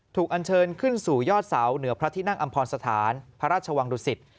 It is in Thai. อันเชิญขึ้นสู่ยอดเสาเหนือพระที่นั่งอำพรสถานพระราชวังดุสิต